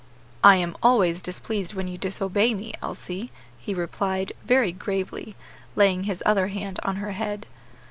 "I am always displeased when you disobey me, Elsie," he replied, very gravely, laying his other hand on her head.